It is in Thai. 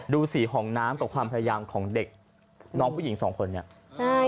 ดูสีของน้ำกับความพยายามของเด็กน้องผู้หญิงสองคนเนี่ยใช่